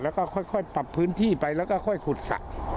แล้วก็ค่อยปรับพื้นที่ไปแล้วก็ค่อยขุดสระ